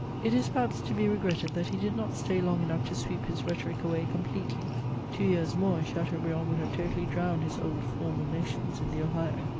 It is, perhaps, to be regretted that he did not stay long enough to sweep his rhetoric away completely. Two years more, and Chateaubriand would have totally drowned his old formal notions in the Ohio.